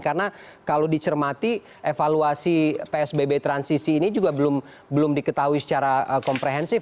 karena kalau dicermati evaluasi psbb transisi ini juga belum diketahui secara komprehensif